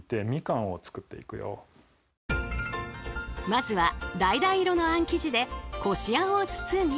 まずはだいだい色のあん生地でこしあんを包み。